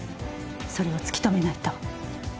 それを突き止めないと。